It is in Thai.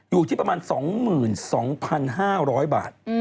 อยู่ที่ประมาณ๒๒๕๐๐บาท